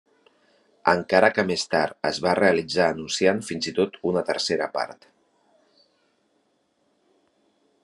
Encara que més tard es va realitzar, anunciant fins i tot una tercera part.